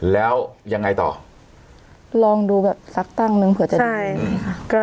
แล้วยังไงต่อลองดูแบบสักตั้งนึงเผื่อจะได้ค่ะ